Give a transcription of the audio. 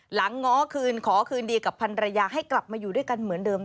ง้อคืนขอคืนดีกับพันรยาให้กลับมาอยู่ด้วยกันเหมือนเดิม